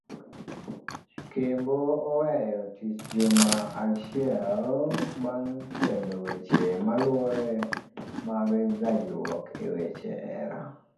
Kembo oweyo tich juma achiel bang kwedo weche maluore mag gajruok eweche hera.